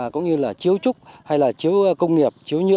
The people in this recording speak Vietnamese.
cũng như là chiếu trúc hay là chiếu công nghiệp